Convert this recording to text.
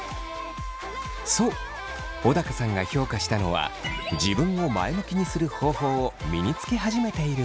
そう小高さんが評価したのは「自分を前向きにする」方法を身につけ始めていることでした。